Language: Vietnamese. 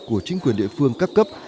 của chính quyền địa phương cấp cấp